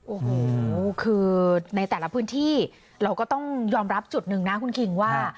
โอ้โหคือในแต่ละพื้นที่เราก็ต้องยอมรับจุดหนึ่งนะคุณคิงว่า